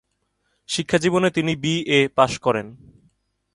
শিক্ষাজীবনে তিনি BA pass করেন।